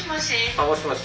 あもしもし。